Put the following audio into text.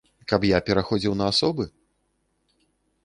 Каб я пераходзіў на асобы?